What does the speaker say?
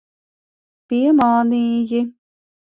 Piemānīji.